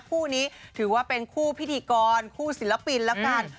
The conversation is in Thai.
คู่นี้ถือว่าเป็นคู่พิธีกรคู่ศิลปินแล้วกัน